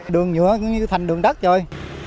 đường nhựa như thành đường đất rồi